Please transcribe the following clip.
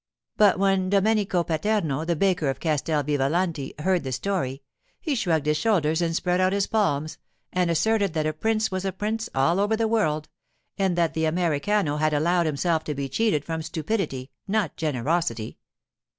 But when Domenico Paterno, the baker of Castel Vivalanti, heard the story, he shrugged his shoulders and spread out his palms, and asserted that a prince was a prince all over the world; and that the Americano had allowed himself to be cheated from stupidity, not generosity.